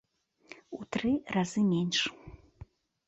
У тры разы менш!